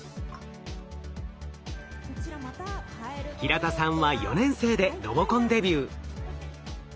平田さんは４年生でロボコンデビュー。